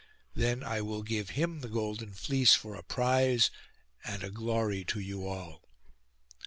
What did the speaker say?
Then I will give him the golden fleece for a prize and a glory to you all.